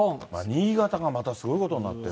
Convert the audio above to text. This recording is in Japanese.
新潟がまたすごいことになってる。